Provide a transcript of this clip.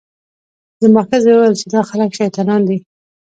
زما ښځې وویل چې دا خلک شیطانان دي.